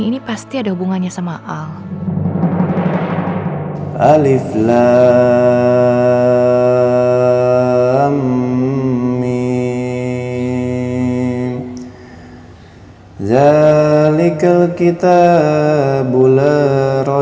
biasanya angga kalau udah rahasia rahasian begini